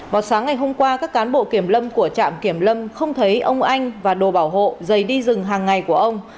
vào sáng ngày hôm qua các cán bộ kiểm lâm của trạm kiểm lâm không thấy ông anh và đồ bảo hộ dày đi rừng hàng ngày của ông